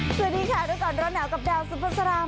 สวัสดีครับดูก่อนร้อนหน่ากับดาวซุปสรมาน